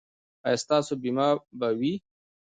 ایا ستاسو بیمه به وي؟